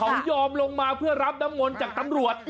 เขายอมลงมาเพื่อรับน้ำมนต์จากตำรวจ